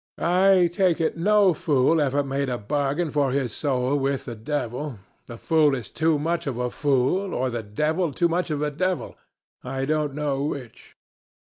I take it, no fool ever made a bargain for his soul with the devil: the fool is too much of a fool, or the devil too much of a devil I don't know which.